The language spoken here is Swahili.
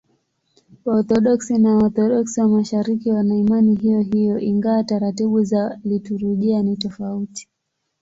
Waorthodoksi na Waorthodoksi wa Mashariki wana imani hiyohiyo, ingawa taratibu za liturujia ni tofauti.